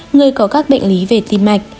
người có các bệnh lý về tim mạch